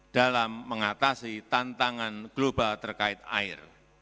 dalam mengatasi tantangan global terkait air